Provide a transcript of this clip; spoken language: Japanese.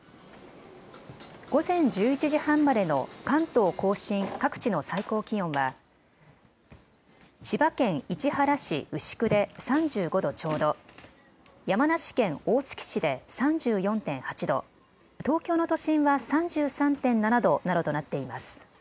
午前１１時半までの関東甲信各地の最高気温は千葉県市原市牛久で３５度ちょうど、山梨県大月市で３４．８度、東京の都心は３３．７度などとなっています。